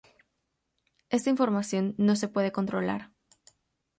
Esta información no se puede controlar.